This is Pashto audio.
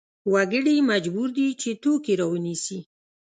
وګړي مجبور دي چې توکې راونیسي.